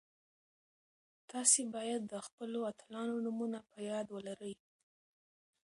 تاسي باید د خپلو اتلانو نومونه په یاد ولرئ.